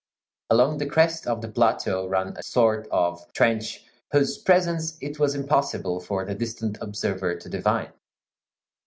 Along the crest of the plateau ran a sort of trench whose presence it was impossible for the distant observer to divine.